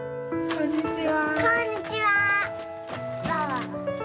こんにちは。